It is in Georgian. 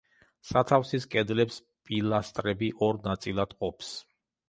სათავსის კედლებს პილასტრები ორ ნაწილად ჰყოფს.